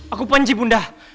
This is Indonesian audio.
aku panji bunda